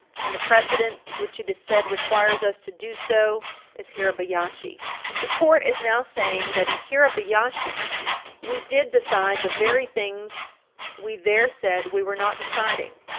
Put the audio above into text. And the precedent which it is said requires us to do so is Hirabayashi. The Court is now saying that, in Hirabayashi, we did decide the very things we there said we were not deciding.